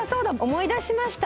思い出しました。